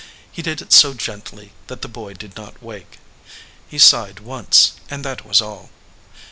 He did it so gently that the boy did not wake. He sighed once, and that was all.